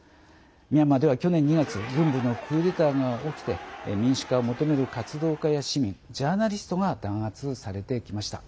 ミャンマーでは去年２月軍部のクーデターが起きて民主化を求める活動家や市民ジャーナリストが弾圧されてきました。